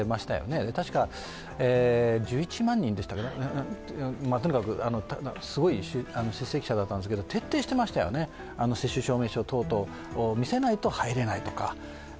たしか１１万人でしたか、とにかくすごい出席者だったんですけれども、徹底していましたよね、接種証明書等々を見せないと入れないとか。